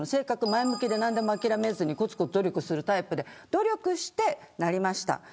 前向きで何でも諦めずにこつこつ努力するタイプで努力してなりました。